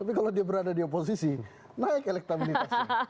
tapi kalau dia berada di oposisi naik elektabilitasnya